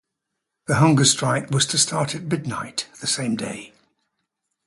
The hunger strike was to start at midnight the same day.